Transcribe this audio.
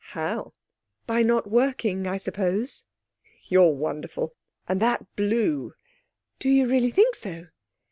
'How?' 'By not working, I suppose.' 'You're wonderful. And that blue....' 'Do you really think so?'